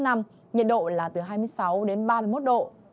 nhiệt độ là từ hai mươi sáu đến ba mươi một độ